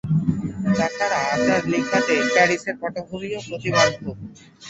তাছাড়া আপনার লিখাতে প্যারিসের পটভূমিও প্রতিবন্ধক।